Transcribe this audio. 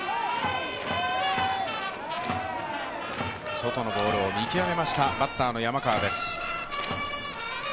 外のボールを見極めましたバッターの山川です。